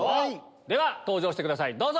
では登場してくださいどうぞ！